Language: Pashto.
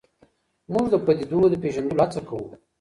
موږ د پدیدو د پېژندلو هڅه کوو.